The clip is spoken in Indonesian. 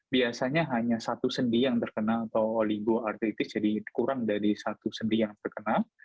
biasanya hanya satu sendi yang terkena atau oligoartritis jadi kurang dari satu sendi yang terkena